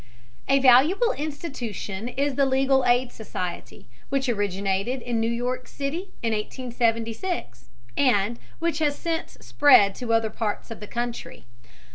A valuable institution is the legal aid society, which originated in New York City in 1876, and which has since spread to other parts of the country.